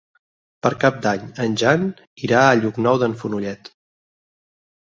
Per Cap d'Any en Jan irà a Llocnou d'en Fenollet.